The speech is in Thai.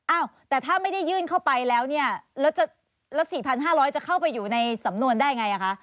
อ้าวแต่ถ้าไม่ได้ยื่นเข้าไปแล้วเนี่ยแล้ว๔๕๐๐จะเข้าไปอยู่ในสำนวนได้ไงคะ